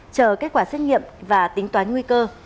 chờ kết quả xét nghiệm và tính toán nguy cơ